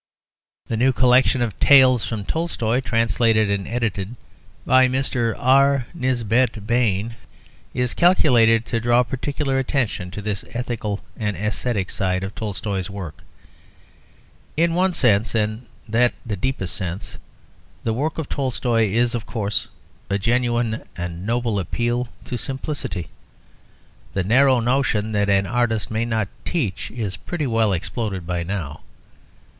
The new collection of "Tales from Tolstoy," translated and edited by Mr. R. Nisbet Bain, is calculated to draw particular attention to this ethical and ascetic side of Tolstoy's work. In one sense, and that the deepest sense, the work of Tolstoy is, of course, a genuine and noble appeal to simplicity. The narrow notion that an artist may not teach is pretty well exploded by now.